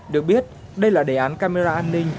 được biết đây là đề án camera an ninh